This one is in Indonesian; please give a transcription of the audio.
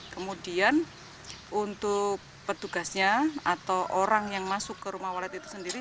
kemudian untuk petugasnya atau orang yang masuk ke rumah walet itu sendiri